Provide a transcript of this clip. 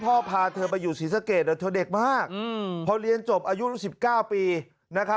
พ่อพาเธอไปอยู่ศรีสเกตเด็กมากพอเรียนจบอายุ๑๙ปีนะ